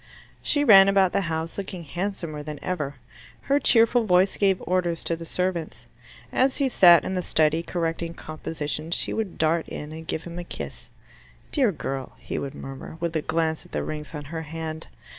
She ran about the house looking handsomer than ever. Her cheerful voice gave orders to the servants. As he sat in the study correcting compositions, she would dart in and give him a kiss. "Dear girl " he would murmur, with a glance at the rings on her hand.